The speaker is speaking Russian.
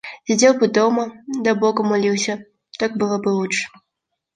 Сидел бы дома да богу молился; так было бы лучше.